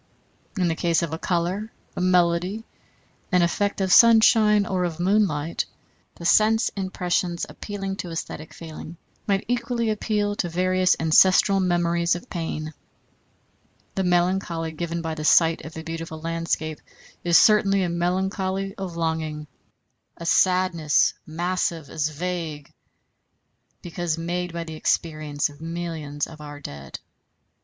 In the case of a color, a melody, an effect of sunshine or of moonlight, the sense impressions appealing to æsthetic feeling might equally appeal to various ancestral memories of pain. The melancholy given by the sight of a beautiful landscape is certainly a melancholy of longing, a sadness massive as vague, because made by the experience of millions of our dead.